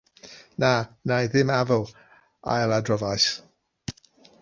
'Na, wna i ddim addo,' ailadroddais.